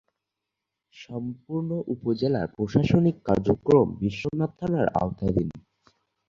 সম্পূর্ণ উপজেলার প্রশাসনিক কার্যক্রম বিশ্বনাথ থানার আওতাধীন।